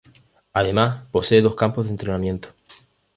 Además, posee dos campos de entrenamiento.